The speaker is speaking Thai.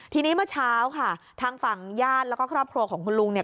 ทีนี้เมื่อเช้าค่ะทางฝั่งญาติแล้วก็ครอบครัวของคุณลุงเนี่ย